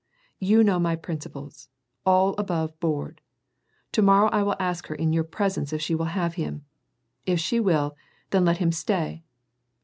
You know my principles: all above board. To morrow I will ask her in your presence if she will have him ; if she will, then let him stay.